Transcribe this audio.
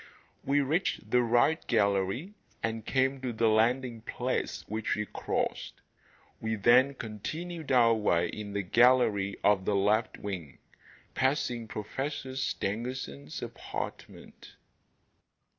We reached the 'right' gallery and came to the landing place which we crossed. We then continued our way in the gallery of the left wing, passing Professor Stangerson's apartment.